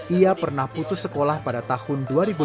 ia pernah putus sekolah pada tahun dua ribu lima belas